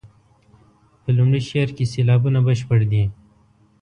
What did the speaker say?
په لومړي شعر کې سېلابونه بشپړ دي.